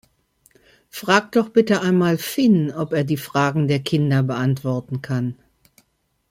Frag doch bitte einmal Finn, ob er die Fragen der Kinder beantworten kann.